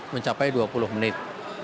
mencapai dua puluh menit